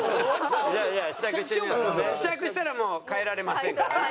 試着したらもう変えられませんから。